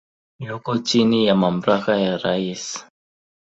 Yuko chini ya mamlaka ya rais.